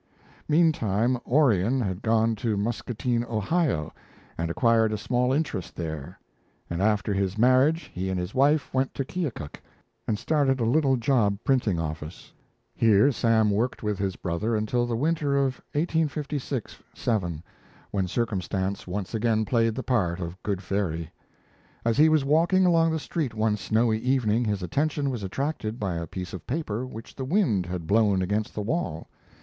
Meantime, Orion had gone to Muscatine, Ohio, and acquired a small interest there; and, after his marriage, he and his wife went to Keokuk and started a little job printing office. Here Sam worked with his brother until the winter of 1856 7, when circumstance once again played the part of good fairy. As he was walking along the street one snowy evening, his attention was attracted by a piece of paper which the wind had blown against the wall.